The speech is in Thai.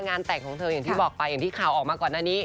งานแต่งของเธออย่างที่บอกไปอย่างที่ข่าวออกมาก่อนหน้านี้